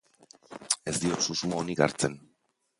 Ez diot susmo onik hartzen.